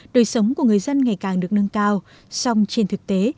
đời sống của người dân ngày càng được nâng cao song trên thực tế